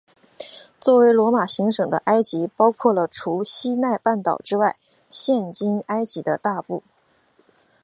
作为罗马行省的埃及包括了除西奈半岛之外现今埃及的大部。